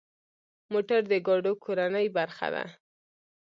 موټر د ګاډو کورنۍ برخه ده.